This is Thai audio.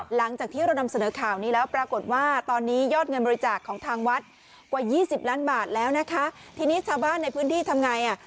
หลังจากที่เรานำเสนอข่าวนี้แล้วปรากฏว่าตอนนี้ยอดเงินบริจาคของทางวัดกว่ายี่สิบล้านบาทแล้วนะคะทีนี้ชาวบ้านในพื้นที่ทำไงอ่ะ